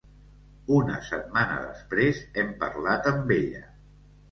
Una setmana després, hem parlat amb ella.